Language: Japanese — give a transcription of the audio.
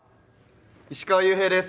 石川裕平です。